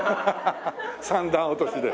三段落としで。